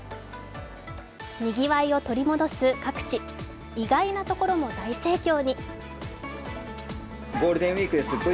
にぎわいを取り戻す各地意外なところも大盛況に。